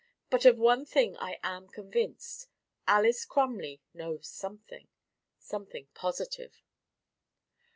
But of one thing I am convinced: Alys Crumley knows something something positive."